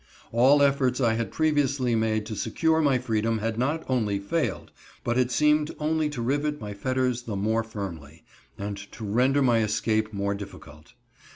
All efforts I had previously made to secure my freedom had not only failed, but had seemed only to rivet my fetters the more firmly, and to render my escape more difficult.